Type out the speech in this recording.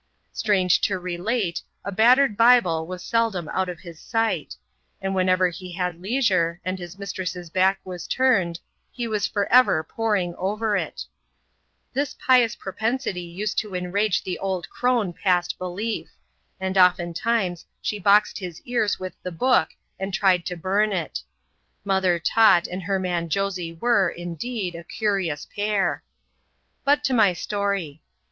Strange to relate, a battered Bible was seldom out of his aght; and whenever he had leisure, and his mistress's back was tmned, be wbs for ever poting oves \X^ 'IX^oi^^qtis^ ^^tatjooAj ►. xxxvra.] LITTLE JULE SAILS WITHOUT U& 149 used to enrage ike old crone past belief; and oftentimes she boxed his ears with the book, and tried to bum it. Mother Tot and her man Josj were^ indeed, a curious pair. But to my story.